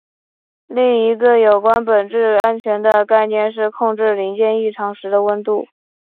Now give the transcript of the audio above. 另一个有关本质安全的概念是控制零件异常时的温度。